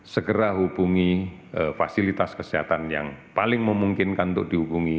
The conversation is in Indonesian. segera hubungi fasilitas kesehatan yang paling memungkinkan untuk dihubungi